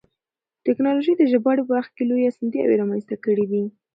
تکنالوژي د ژباړې په برخه کې لویې اسانتیاوې رامنځته کړې دي.